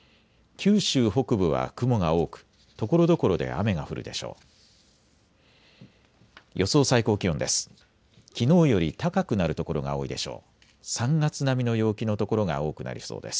九州北部は雲が多くところどころで雨が降るでしょう。